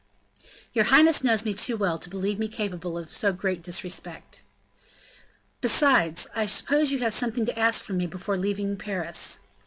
"Your highness knows me too well to believe me capable of so great a disrespect." "Besides, I suppose you have something to ask from me before leaving Paris?"